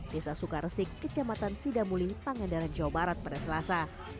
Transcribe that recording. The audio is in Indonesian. desa sukaresik kecamatan sidamuli pangandaran jawa barat pada selasa